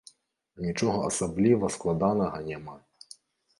Нічога асабліва складанага няма.